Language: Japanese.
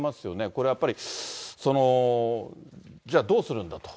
これやっぱり、じゃあどうするんだと。